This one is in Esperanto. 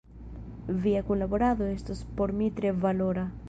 Via kunlaborado estos por mi tre valora.